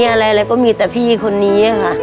อะไรอะไรก็มีแต่พี่คนนี้ค่ะ